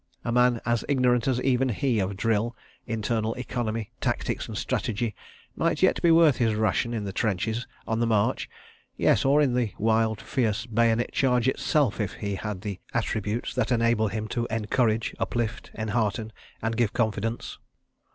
A man as ignorant as even he of drill, internal economy, tactics and strategy, might yet be worth his rations in the trenches, on the march, yes, or in the wild, fierce bayonet charge itself, if he had the attributes that enable him to encourage, uplift, enhearten and give confidence.